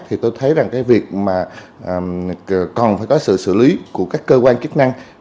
thì tôi thấy rằng cái việc mà cần phải có sự xử lý của các cơ quan chức năng